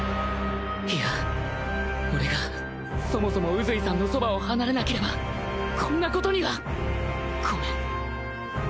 いや俺がそもそも宇髄さんのそばを離れなければこんなことには